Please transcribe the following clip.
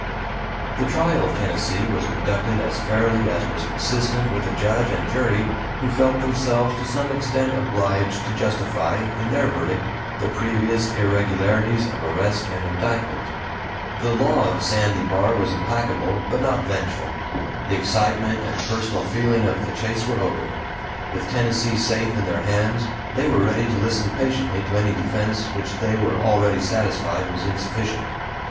The trial of Tennessee was conducted as fairly as was consistent with a judge and jury who felt themselves to some extent obliged to justify, in their verdict, the previous irregularities of arrest and indictment. The law of Sandy Bar was implacable, but not vengeful. The excitement and personal feeling of the chase were over; with Tennessee safe in their hands they were ready to listen patiently to any defense, which they were already satisfied was insufficient.